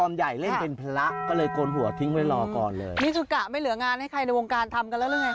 นี่จุกะไม่เหลืองานให้ใครในวงการทำกันแล้วหรือไง